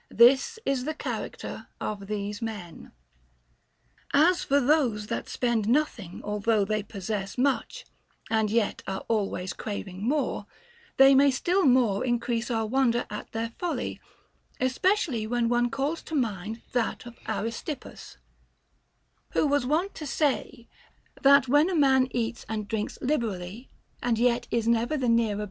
This is the character of these men. 3. As for those that spend nothing although they possess much, and yet are always craving more, they may still more increase our wonder at their folly, especially when one calls to mind that of Aristippus, who was wont to say, that when a man eats and drinks liberally and yet is never the nearer * II.